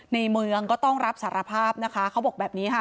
ในเมืองก็ต้องรับสารภาพนะคะเขาบอกแบบนี้ค่ะ